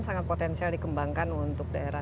sangat potensial dikembangkan untuk daerah